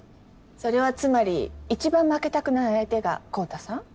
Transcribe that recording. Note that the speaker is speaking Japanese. それはつまり一番負けたくない相手が昂太さん？